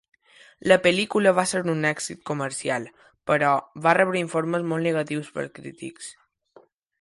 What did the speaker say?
La pel·lícula va ser un èxit comercial, però, va rebre informes molt negatius pels crítics.